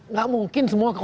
nggak mungkin semua ke dua